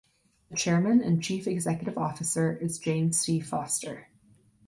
The chairman and chief executive officer is James C. Foster.